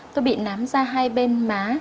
tôi bị nám da hai bên má